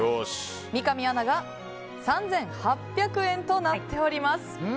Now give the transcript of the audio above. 三上アナが３８００円となっております。